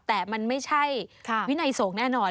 แต่มันไม่ใช่วินัยสงฆ์แน่นอน